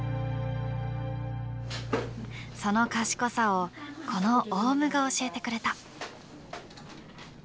その賢さをこのオウムが教えてくれた。